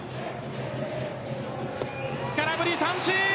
空振り三振。